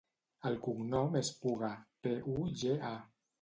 El cognom és Puga: pe, u, ge, a.